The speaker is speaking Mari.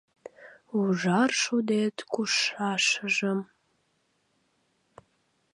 Ужар шудет кушшашыжым